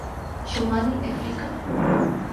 شمالی افریقہ